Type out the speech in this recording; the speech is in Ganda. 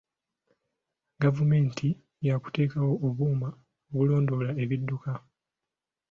Gavumenti y’akuteekawo obuuma obulondoola ebidduka.